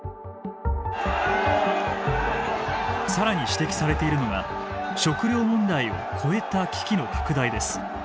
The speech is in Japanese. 更に指摘されているのが食料問題を超えた危機の拡大です。